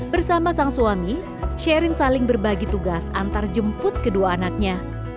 bersama sang suami sherin saling berbagi tugas antar jemput kedua anaknya